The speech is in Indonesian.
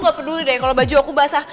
aku gak peduli deh kalau baju aku basah